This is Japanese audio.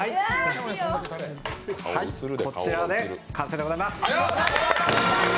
こちらで完成でございます。